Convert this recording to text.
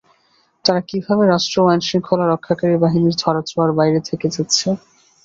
তারা কীভাবে রাষ্ট্র ও আইনশৃঙ্খলা রক্ষাকারী বাহিনীর ধরাছোঁয়ার বাইরে থেকে যাচ্ছে?